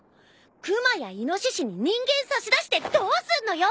熊やイノシシに人間差し出してどうすんのよ！